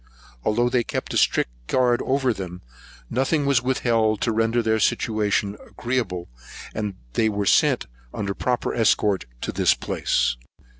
Although they kept a strict guard over them, nothing was withheld to render their situation agreeable; and they were sent, under a proper escort, to this place.